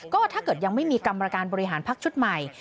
ก็ถ้าเกิดยังไม่มีกรรมการบริหารพักชุดใหม่